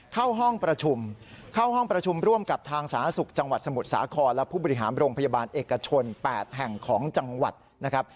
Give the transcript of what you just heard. เข้าห้องประชุมเข้าห้องประชุมร่วมกับทางสาธารณสุขจังหวัดสมุทรสาครและผู้บริหารโรงพยาบาลเอกชน๘แห่งของจังหวัดนะครับ